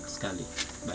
papa meninggal novi kembali